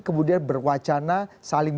kemudian berwacana saling